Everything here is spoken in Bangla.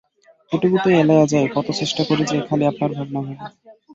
একটুকুতেই এলাইয়া যাই, কত চেষ্টা করি যে, খালি আপনার ভাবনা ভাবি।